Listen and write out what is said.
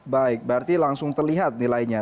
baik berarti langsung terlihat nilainya